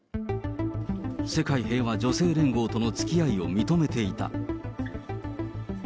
世界平和女性連合とのつきあいを認めていた。